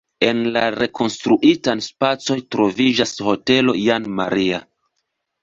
En la rekonstruitaj spacoj troviĝas hotelo Jan Maria.